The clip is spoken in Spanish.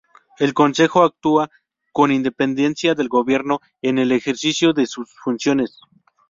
El Consejo actúa con independencia del Gobierno en el ejercicio de sus funciones.